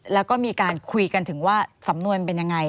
แล้วก็มีการคุยกันถึงว่าสำนวนมันเป็นยังไง